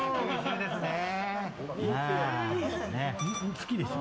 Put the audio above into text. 好きでしょ？